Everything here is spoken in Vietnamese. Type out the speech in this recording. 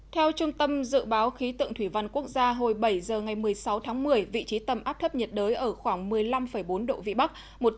theo trung tâm dự báo khí tượng thủy văn quốc gia hồi bảy giờ ngày một mươi sáu tháng một mươi vị trí tâm áp thấp nhiệt đới ở khoảng một mươi năm bốn độ vĩ bắc